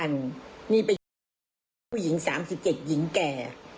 นี่ไปย้างมาตั้งไปที่ผู้หญิง๓๗หญิงแก่